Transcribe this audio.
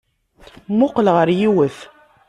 Mmuqqleɣ ɣer yiwet.